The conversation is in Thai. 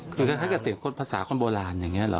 คล้ายกันขักเสียงคนภาษาคนบราณอย่างนี้เหรอ